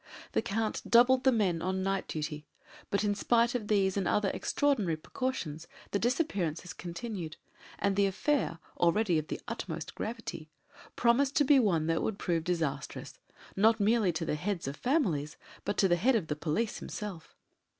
The Count doubled the men on night duty, but in spite of these and other extraordinary precautions the disappearances continued, and the affair already of the utmost gravity promised to be one that would prove disastrous, not merely to the heads of families, but to the head of the police himself.